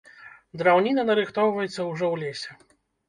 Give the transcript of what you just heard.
Драўніна нарыхтоўваецца ўжо ў лесе.